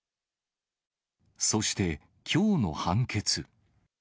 そしてきょうの判決。